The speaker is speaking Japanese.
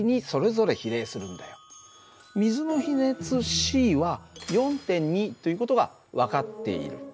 ｃは４．２という事が分かっている。